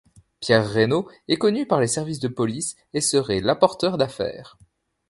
Pierre Reynaud est connu par les services de police et serait l'apporteur d'affaires.